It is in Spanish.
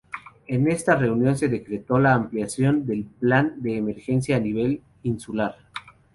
En esta reunión se decretó la ampliación del plan de emergencia a nivel insular.